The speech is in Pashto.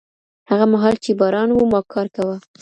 هغه مهال چي باران و ما کار کاوه.